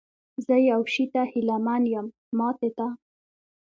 زه یو شي ته هیله من یم، ماتې ته؟